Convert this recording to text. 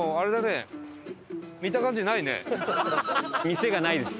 店がないです。